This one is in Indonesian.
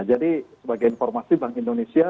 jadi sebagai informasi bank indonesia